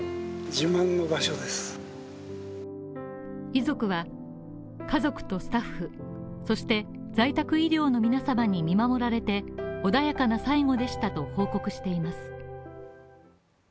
遺族は家族とスタッフ、そして在宅医療の皆様に見守られて、穏やかな最期でしたと報告しています。